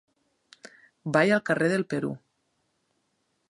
Vaig al carrer del Perú.